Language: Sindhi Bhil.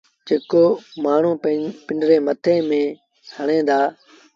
جيڪو مآڻهوٚٚݩ پنڊري مٿي ميݩ هڻين دآ